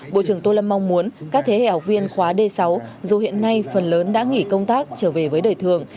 bộ trưởng tô lâm mong muốn các thế hệ học viên khóa d sáu dù hiện nay phần lớn đã nghỉ công tác trở về với đời thường